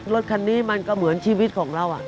รถคันนี้มันก็เหมือนชีวิตของเรา